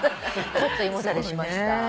ちょっと胃もたれしました。